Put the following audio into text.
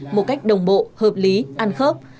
một cách đồng bộ hợp lý ăn khớp